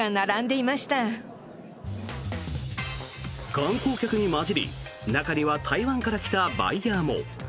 観光客に交じり中には台湾から来たバイヤーも。